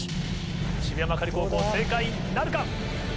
渋谷幕張高校正解なるか？